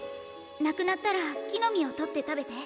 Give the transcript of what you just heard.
無くなったら木の実をとって食べて。